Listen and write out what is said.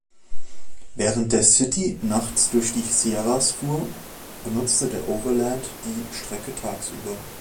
Während der City nachts durch die Sierras fuhr, benutzte der Overland die Strecke tagsüber.